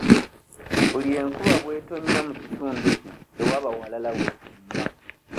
Buli enkuba bw'etonnya mu kitundu kino tewaba walala w'etonnya.